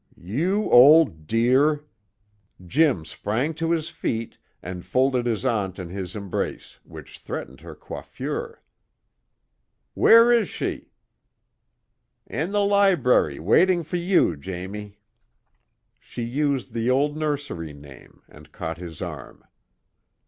"You old dear!" Jim sprang to his feet and folded his aunt in his embrace which threatened her coiffure. "Where is she?" "In the library waiting for you, Jamie!" She used the old nursery name, and caught his arm.